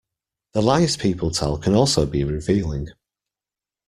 The lies people tell can also be revealing.